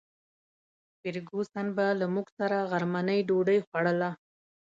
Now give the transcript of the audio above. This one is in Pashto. فرګوسن به له موږ سره غرمنۍ ډوډۍ خوړله.